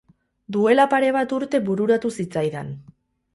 Duela pare bat urte bururatu zitzaidan.